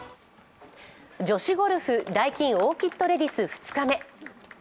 女子ゴルフダイキンオーキッドレディス２日目。